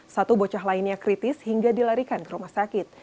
satu bocah lainnya kritis hingga dilarikan ke rumah sakit